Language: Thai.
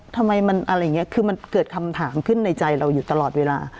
ทำไมมันอะไรอย่างนี้คือมันเกิดคำถามขึ้นในใจเราอยู่ตลอดเวลา